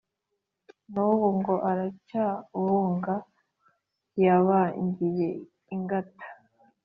n’ubu ngo aracyabunga yabangiye ingata